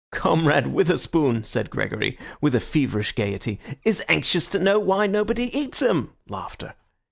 "Comrade Witherspoon," said Gregory, with a feverish gaiety, "is anxious to know why nobody eats him.